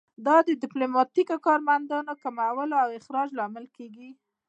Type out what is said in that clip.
دا د ډیپلوماتیکو کارمندانو کمولو او اخراج لامل کیږي